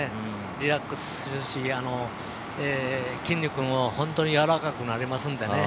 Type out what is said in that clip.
リラックスするし筋肉も本当に柔らかくなりますんでね。